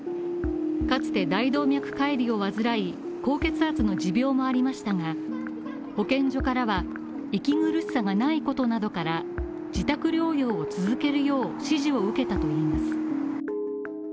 かつて大動脈解離を患い、高血圧の持病もありましたが、保健所からは息苦しさがないことなどから、自宅療養を続けるよう指示を受けたといいます。